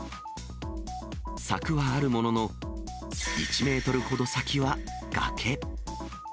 柵はあるものの、１メートルほど先は崖。